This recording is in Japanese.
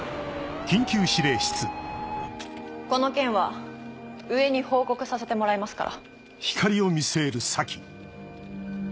この件は上に報告させてもらいますから。